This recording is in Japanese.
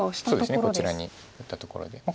そうですねこちらに打ったところで。